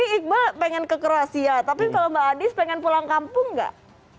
ini iqbal pengen ke kroasia tapi kalau mbak adis pengen pulang kampung nggak